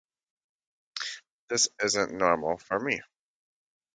This isn't normal for me.